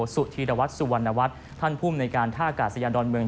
ธีรวัตรสุวรรณวัฒน์ท่านภูมิในการท่ากาศยานดอนเมือง